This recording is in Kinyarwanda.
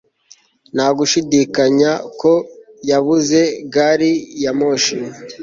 Nta gushidikanya ko yabuze gari ya moshi